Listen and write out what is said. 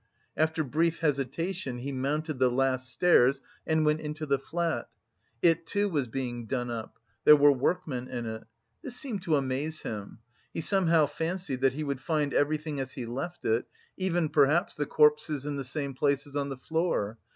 After brief hesitation he mounted the last stairs and went into the flat. It, too, was being done up; there were workmen in it. This seemed to amaze him; he somehow fancied that he would find everything as he left it, even perhaps the corpses in the same places on the floor.